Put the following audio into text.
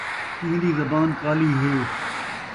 ایندی زبان کالی ہے